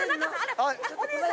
はい。